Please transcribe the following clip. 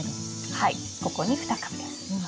はいここに２株です。